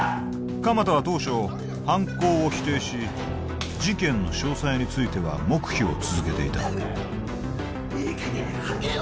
鎌田は当初犯行を否定し事件の詳細については黙秘を続けていたいい加減吐けよ！